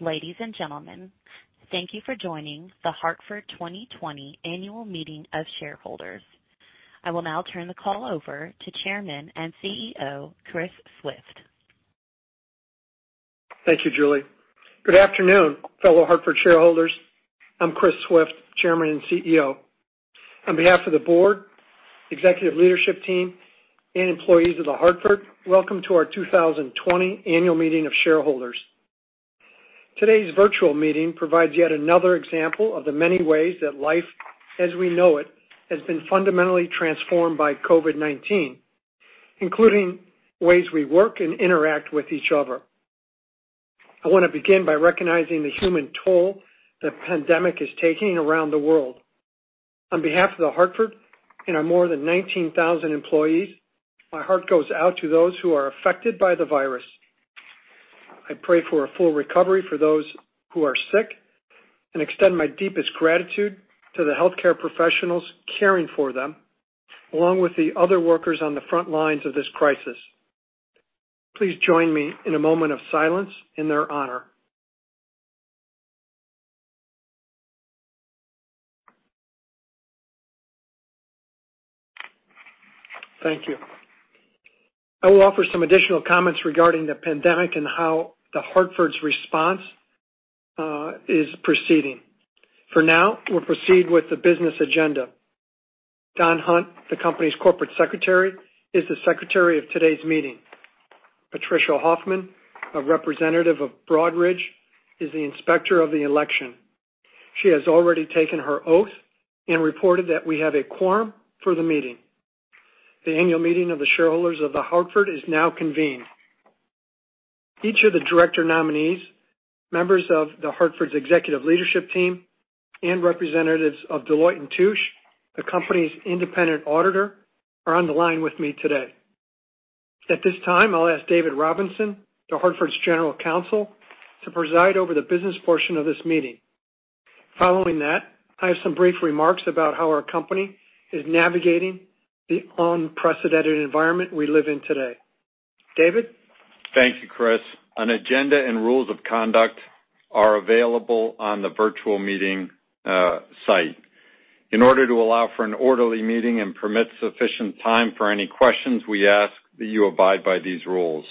Ladies and gentlemen, thank you for joining The Hartford 2020 Annual Meeting of Shareholders. I will now turn the call over to Chairman and CEO, Chris Swift. Thank you, Julie. Good afternoon, fellow Hartford shareholders. I'm Chris Swift, Chairman and CEO. On behalf of the board, executive leadership team, and employees of The Hartford, welcome to our 2020 Annual Meeting of Shareholders. Today's virtual meeting provides yet another example of the many ways that life, as we know it, has been fundamentally transformed by COVID-19, including ways we work and interact with each other. I want to begin by recognizing the human toll the pandemic is taking around the world. On behalf of The Hartford and our more than 19,000 employees, my heart goes out to those who are affected by the virus. I pray for a full recovery for those who are sick, and extend my deepest gratitude to the healthcare professionals caring for them, along with the other workers on the front lines of this crisis. Please join me in a moment of silence in their honor. Thank you. I will offer some additional comments regarding the pandemic and how The Hartford's response is proceeding. For now, we'll proceed with the business agenda. Don Hunt, the company's corporate secretary, is the secretary of today's meeting. Patricia Hoffman, a representative of Broadridge, is the inspector of the election. She has already taken her oath and reported that we have a quorum for the meeting. The annual meeting of the shareholders of The Hartford is now convened. Each of the director nominees, members of The Hartford's executive leadership team, and representatives of Deloitte & Touche, the company's independent auditor, are on the line with me today. At this time, I'll ask David Robinson, The Hartford's General Counsel, to preside over the business portion of this meeting. Following that, I have some brief remarks about how our company is navigating the unprecedented environment we live in today. David? Thank you, Chris. An agenda and rules of conduct are available on the virtual meeting site. In order to allow for an orderly meeting and permit sufficient time for any questions, we ask that you abide by these rules.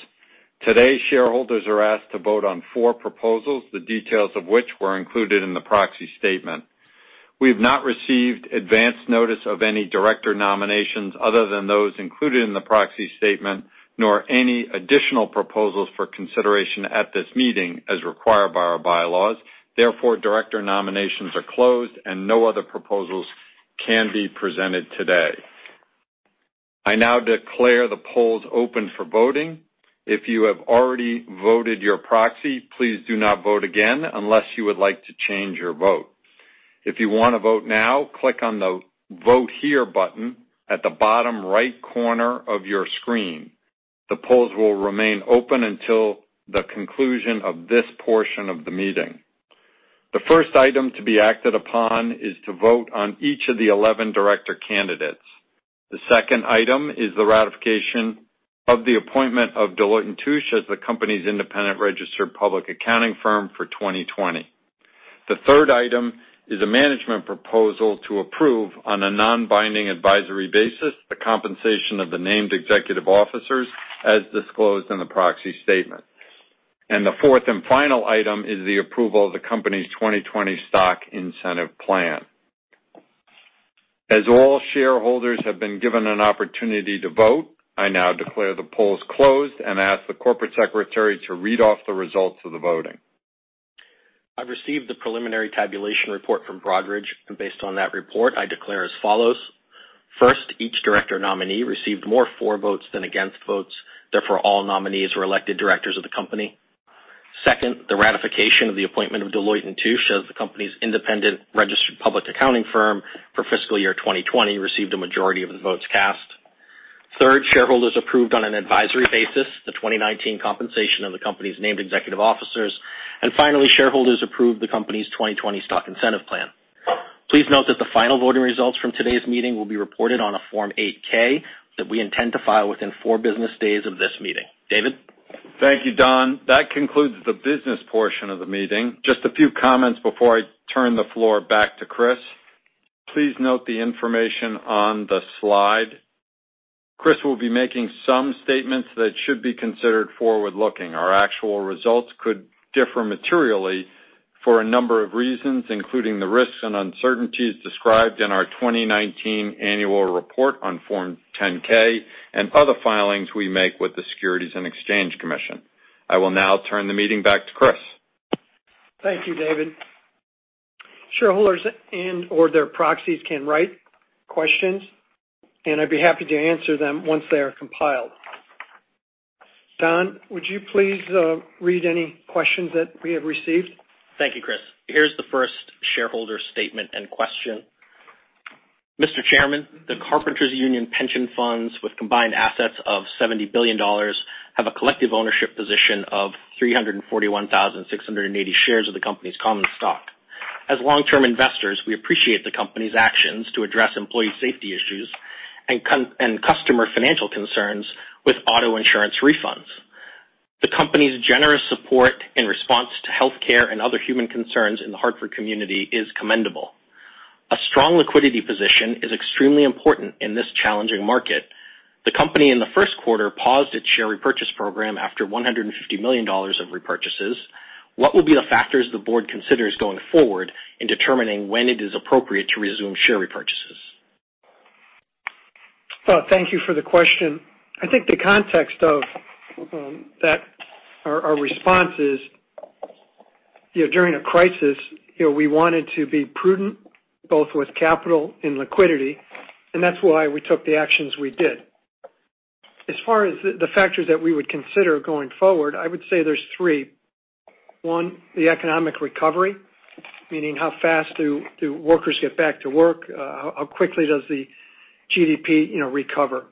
Today, shareholders are asked to vote on four proposals, the details of which were included in the proxy statement. We have not received advance notice of any director nominations other than those included in the proxy statement, nor any additional proposals for consideration at this meeting, as required by our bylaws. Therefore, director nominations are closed, and no other proposals can be presented today. I now declare the polls open for voting. If you have already voted your proxy, please do not vote again unless you would like to change your vote. If you want to vote now, click on the Vote Here button at the bottom right corner of your screen. The polls will remain open until the conclusion of this portion of the meeting. The first item to be acted upon is to vote on each of the 11 director candidates. The second item is the ratification of the appointment of Deloitte & Touche as the company's independent registered public accounting firm for 2020. The third item is a management proposal to approve, on a non-binding advisory basis, the compensation of the named executive officers as disclosed in the proxy statement, and the fourth and final item is the approval of the company's 2020 Stock Incentive Plan. As all shareholders have been given an opportunity to vote, I now declare the polls closed and ask the corporate secretary to read off the results of the voting. I've received the preliminary tabulation report from Broadridge, and based on that report, I declare as follows: First, each director nominee received more for votes than against votes; therefore, all nominees were elected directors of the company. Second, the ratification of the appointment of Deloitte & Touche as the company's independent registered public accounting firm for FY 2020 received a majority of the votes cast. Third, shareholders approved on an advisory basis the 2019 compensation of the company's named executive officers. And finally, shareholders approved the company's 2020 Stock Incentive Plan. Please note that the final voting results from today's meeting will be reported on a Form 8-K that we intend to file within four business days of this meeting. David? Thank you, Don. That concludes the business portion of the meeting. Just a few comments before I turn the floor back to Chris. Please note the information on the slide. Chris will be making some statements that should be considered forward-looking. Our actual results could differ materially for a number of reasons, including the risks and uncertainties described in our 2019 Annual Report on Form 10-K and other filings we make with the Securities and Exchange Commission. I will now turn the meeting back to Chris. Thank you, David. Shareholders and/or their proxies can write questions, and I'd be happy to answer them once they are compiled. Don, would you please read any questions that we have received? Thank you, Chris. Here's the first shareholder statement and question: "Mr. Chairman, the Carpenters Union pension funds, with combined assets of $70 billion, have a collective ownership position of 341,680 shares of the company's common stock.... As long-term investors, we appreciate the company's actions to address employee safety issues and customer financial concerns with auto insurance refunds. The company's generous support in response to healthcare and other human concerns in the Hartford community is commendable. A strong liquidity position is extremely important in this challenging market. The company, in the Q1, paused its share repurchase program after $150 million of repurchases. What will be the factors the board considers going forward in determining when it is appropriate to resume share repurchases? Thank you for the question. I think the context of that our response is, you know, during a crisis, you know, we wanted to be prudent, both with capital and liquidity, and that's why we took the actions we did. As far as the factors that we would consider going forward, I would say there's three. One, the economic recovery, meaning how fast do workers get back to work? How quickly does the GDP, you know, recover?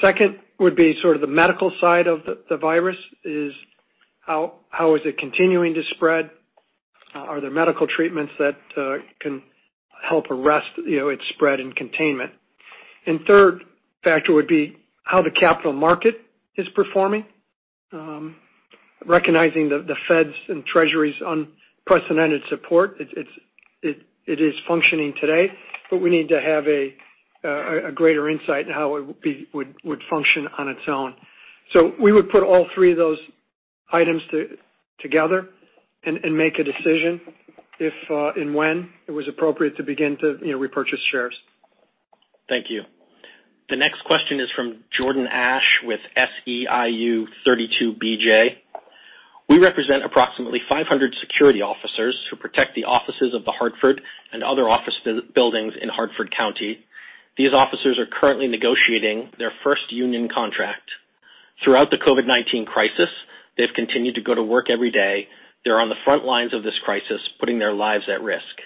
Second, would be sort of the medical side of the virus, is how is it continuing to spread? Are there medical treatments that can help arrest, you know, its spread and containment? And third factor would be how the capital market is performing. Recognizing the Fed's and Treasury's unprecedented support, it is functioning today, but we need to have a greater insight in how it would function on its own. So we would put all three of those items together and make a decision if and when it was appropriate to begin to, you know, repurchase shares. Thank you. The next question is from Jordan Ash with SEIU 32BJ. We represent approximately 500 security officers who protect the offices of The Hartford and other office buildings in Hartford County. These officers are currently negotiating their first union contract. Throughout the COVID-19 crisis, they've continued to go to work every day. They're on the front lines of this crisis, putting their lives at risk.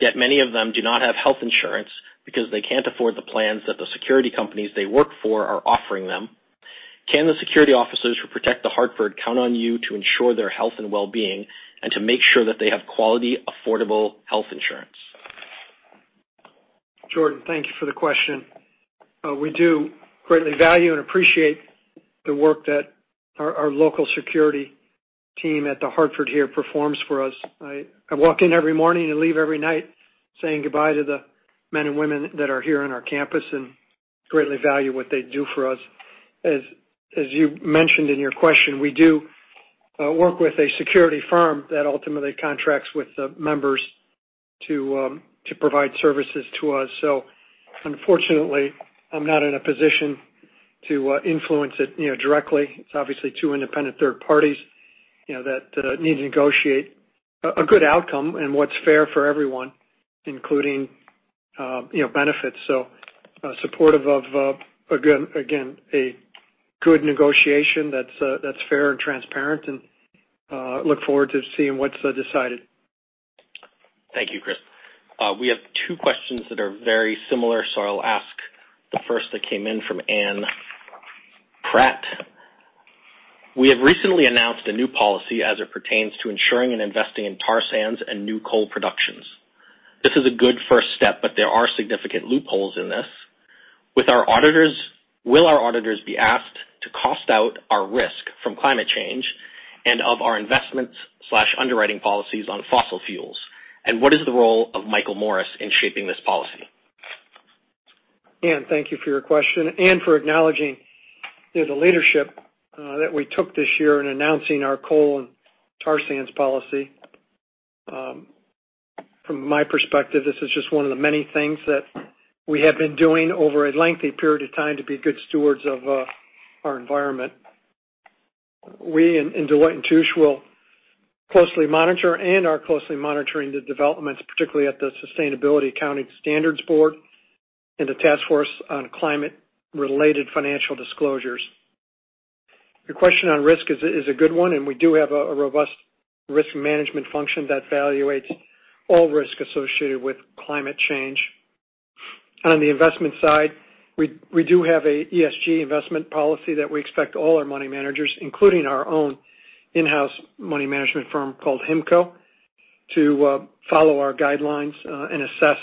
Yet many of them do not have health insurance because they can't afford the plans that the security companies they work for are offering them. Can the security officers who protect The Hartford count on you to ensure their health and wellbeing, and to make sure that they have quality, affordable health insurance? Jordan, thank you for the question. We do greatly value and appreciate the work that our local security team at The Hartford here performs for us. I walk in every morning and leave every night saying goodbye to the men and women that are here on our campus and greatly value what they do for us. As you mentioned in your question, we do work with a security firm that ultimately contracts with the members to provide services to us. So unfortunately, I'm not in a position to influence it, you know, directly. It's obviously two independent third parties, you know, that need to negotiate a good outcome and what's fair for everyone, including, you know, benefits. Supportive of, again, a good negotiation that's fair and transparent, and look forward to seeing what's decided. Thank you, Chris. We have two questions that are very similar, so I'll ask the first that came in from Ann Pratt. We have recently announced a new policy as it pertains to insuring and investing in tar sands and new coal productions. This is a good first step, but there are significant loopholes in this. With our auditors, will our auditors be asked to cost out our risk from climate change and of our investment/underwriting policies on fossil fuels? And what is the role of Michael Morris in shaping this policy? Ann, thank you for your question and for acknowledging, you know, the leadership that we took this year in announcing our coal and tar sands policy. From my perspective, this is just one of the many things that we have been doing over a lengthy period of time to be good stewards of our environment. We and Deloitte & Touche will closely monitor and are closely monitoring the developments, particularly at the Sustainability Accounting Standards Board and the Task Force on Climate-related Financial Disclosures. Your question on risk is a good one, and we do have a robust risk management function that evaluates all risk associated with climate change. On the investment side, we do have an ESG investment policy that we expect all our money managers, including our own in-house money management firm called HIMCO, to follow our guidelines and assess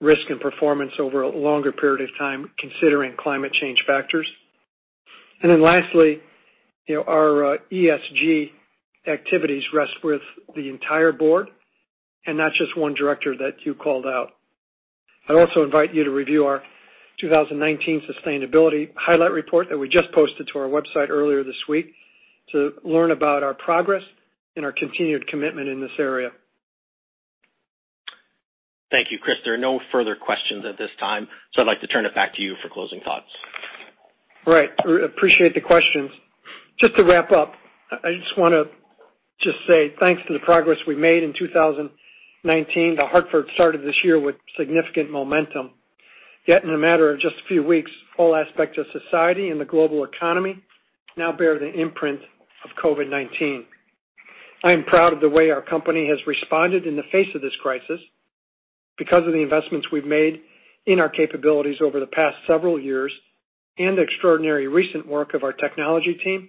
risk and performance over a longer period of time, considering climate change factors. And then lastly, you know, our ESG activities rest with the entire board, and not just one director that you called out. I'd also invite you to review our 2019 sustainability highlight report that we just posted to our website earlier this week, to learn about our progress and our continued commitment in this area. Thank you, Chris. There are no further questions at this time, so I'd like to turn it back to you for closing thoughts. Right. We appreciate the questions. Just to wrap up, I just wanna say thanks for the progress we made in 2019. The Hartford started this year with significant momentum. Yet, in a matter of just a few weeks, all aspects of society and the global economy now bear the imprint of COVID-19. I am proud of the way our company has responded in the face of this crisis. Because of the investments we've made in our capabilities over the past several years and the extraordinary recent work of our technology team,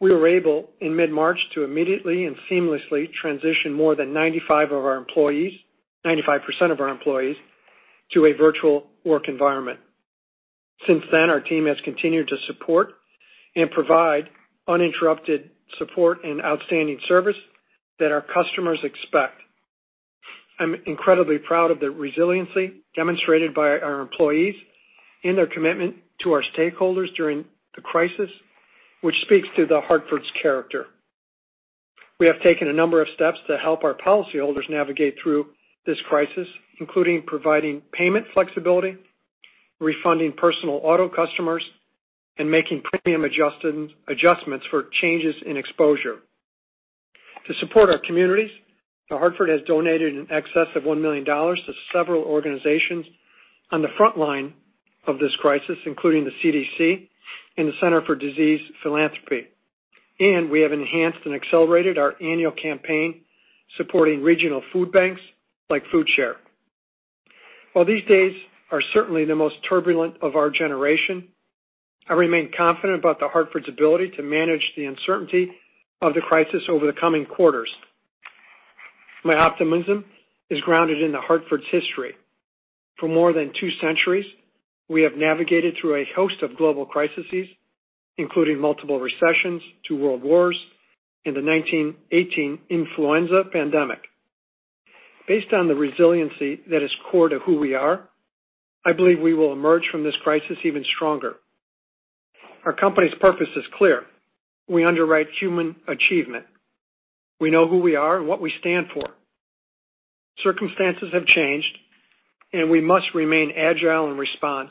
we were able, in mid-March, to immediately and seamlessly transition more than 95 of our employees, 95% of our employees, to a virtual work environment. Since then, our team has continued to support and provide uninterrupted support and outstanding service that our customers expect. I'm incredibly proud of the resiliency demonstrated by our employees and their commitment to our stakeholders during the crisis, which speaks to The Hartford's character. We have taken a number of steps to help our policyholders navigate through this crisis, including providing payment flexibility, refunding personal auto customers, and making premium adjustments for changes in exposure. To support our communities, The Hartford has donated in excess of $1 million to several organizations on the front line of this crisis, including the CDC and the Center for Disaster Philanthropy. And we have enhanced and accelerated our annual campaign supporting regional food banks, like Foodshare. While these days are certainly the most turbulent of our generation, I remain confident about The Hartford's ability to manage the uncertainty of the crisis over the coming quarters. My optimism is grounded in The Hartford's history. For more than two centuries, we have navigated through a host of global crises, including multiple recessions, two world wars, and the 1918 influenza pandemic. Based on the resiliency that is core to who we are, I believe we will emerge from this crisis even stronger. Our company's purpose is clear: We underwrite human achievement. We know who we are and what we stand for. Circumstances have changed, and we must remain agile in response,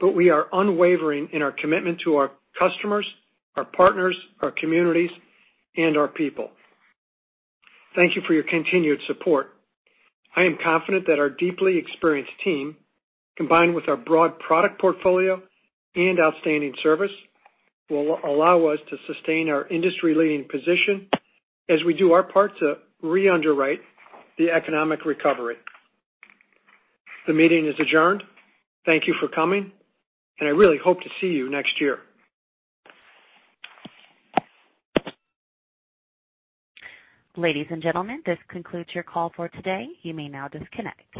but we are unwavering in our commitment to our customers, our partners, our communities, and our people. Thank you for your continued support. I am confident that our deeply experienced team, combined with our broad product portfolio and outstanding service, will allow us to sustain our industry-leading position as we do our part to reunderwrite the economic recovery. The meeting is adjourned. Thank you for coming, and I really hope to see you next year. Ladies and gentlemen, this concludes your call for today. You may now disconnect.